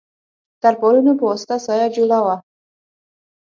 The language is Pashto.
تر پالونو په واسطه سایه جوړه وه.